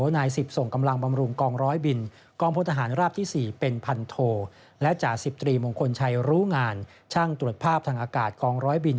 นายสิบส่งกำลังบำรุงกองร้อยบิน